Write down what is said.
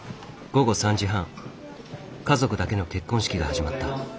午後３時半家族だけの結婚式が始まった。